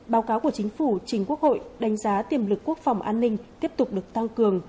báo cáo của chính phủ chính quốc hội đánh giá tiềm lực quốc phòng an ninh tiếp tục được tăng cường